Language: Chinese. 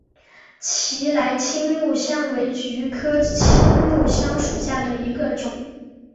奇莱青木香为菊科青木香属下的一个种。